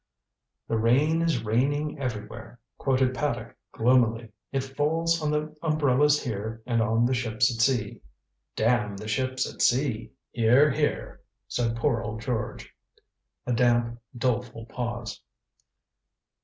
"The rain is raining everywhere," quoted Paddock gloomily. "It falls on the umbrellas here, and on the ships at sea. Damn the ships at sea." "Here, here," said poor old George. A damp doleful pause.